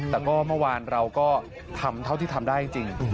แต่ก็เมื่อวานเราก็ทำเท่าที่ทำได้จริง